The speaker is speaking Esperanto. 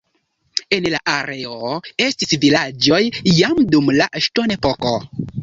En la areo estis vilaĝoj jam dum la ŝtonepoko.